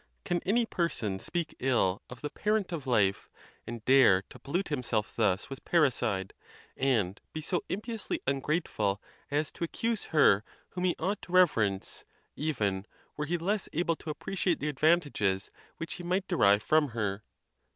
Can any person speak ill of the parent of life, and dare to pollute himself thus with parricide, and be so im WHETHER VIRTUE ALONE BE SUFFICIENT. 165 piously ungrateful as to accuse her whom he ought to rev erence, even were he less able to appreciate the advantages which he might derive from her?